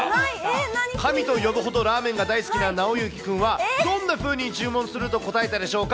神と呼ぶほどラーメンが大好きななおゆき君は、どんなふうに注文すると答えたでしょうか？